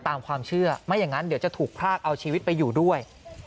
ตามความเชื่อไม่อย่างนั้นเดี๋ยวจะถูกพรากเอาชีวิตไปอยู่ด้วย